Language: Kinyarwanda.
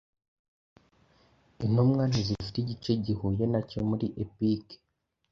Intumwa ntizifite igice gihuye nacyo muri epic